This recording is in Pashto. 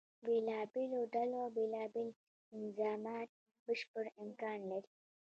بېلابېلو ډلو بیلا بیل انظامات بشپړ امکان لري.